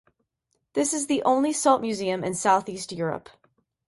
This is the only salt museum in Southeast Europe.